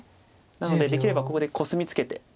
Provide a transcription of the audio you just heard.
なのでできればここでコスミツケて。